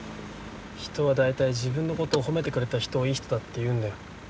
人は大体自分のことを褒めてくれた人をいい人だって言うんだよ。